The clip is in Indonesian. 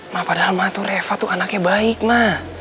ma padahal ma tuh reva tuh anaknya baik ma